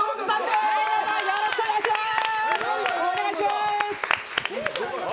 よろしくお願いします！